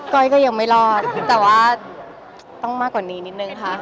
ก้อยก็ยังไม่รอดแต่ว่าต้องมากกว่านี้นิดนึงค่ะ